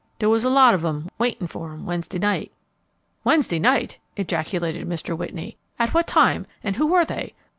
There was a lot of 'em waitin' for him Wednesday night." "Wednesday night!" ejaculated Mr. Whitney. "At what time? and who were they?"